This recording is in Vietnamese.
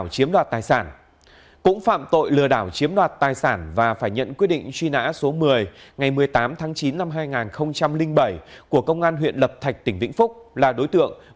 xin chào và hẹn gặp lại